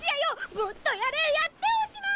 もっとやれやっておしまい！